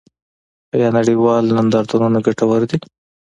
آیا نړیوال نندارتونونه ګټور دي؟